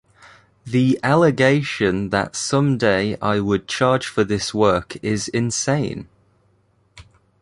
The allegation that someday I would charge for this work is insane.